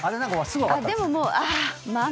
でももう。